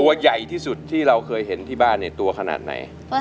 ตัวใหญ่ที่สุดที่เราเคยเห็นที่บ้านเนี่ยตัวขนาดไหน